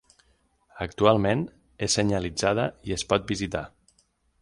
Actualment, és senyalitzada i es pot visitar.